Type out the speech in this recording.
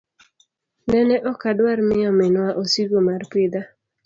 Nene ok adwar miyo minwa osigo mar pidha.